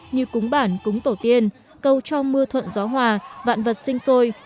như cúng bản cúng tổ tiên cầu cho mưa thuận gió hòa vạn vật sinh sôi